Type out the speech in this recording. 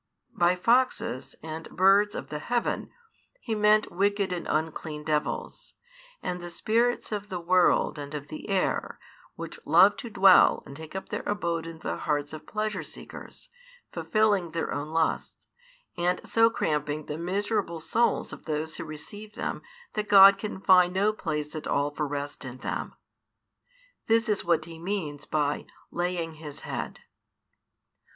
By foxes and birds of the heaven He meant wicked and unclean devils, and the spirits of the world and of the air, which love to dwell and take up their abode in the hearts of pleasure seekers, fulfilling their own lusts, and so cramping the miserable souls of those who receive them that |335 God can find no place at all for rest in them. This is what He means by laying His Head.